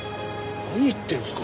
何言ってるんですか。